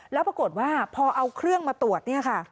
แล้วปรากฏว่าพอเอาเครื่องมาตรวจเนี่ยค่ะ